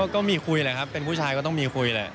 ก็มีคุยแหละครับเป็นผู้ชายก็ต้องมีคุยแหละ